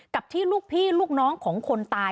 กับที่ลูกพี่ลูกน้องของคนตาย